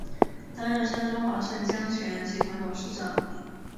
担任山东华盛江泉集团董事长。